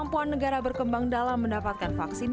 kemampuan negara berkembang dalam mendapatkan vaksin